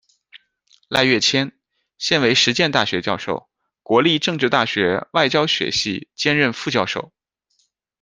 赖岳谦，现为实践大学教授、国立政治大学外交学系兼任副教授。